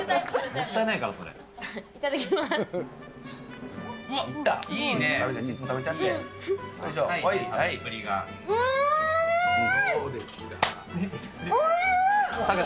もったいないから、それ。